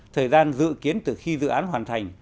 thời gian dự kiến từ khi dự án hoàn thành